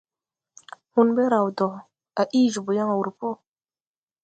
Hun be raw do, a ii jòbō yan wur po.